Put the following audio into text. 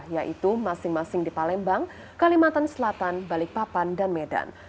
yaitu masing masing di palembang kalimantan selatan balikpapan dan medan